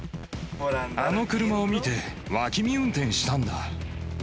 あの車を見て、脇見運転したんだ。